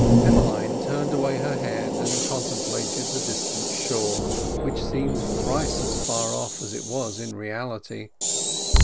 Emmeline turned away her head and contemplated the distant shore, which seemed thrice as far off as it was in reality.